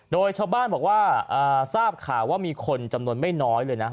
โดยชาวบ้านบอกว่าทราบข่าวว่ามีคนจำนวนไม่น้อยเลยนะ